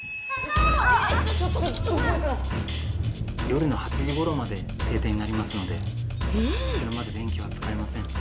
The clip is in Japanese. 夜の８時ごろまで停電になりますのでそれまで電気はつかえません。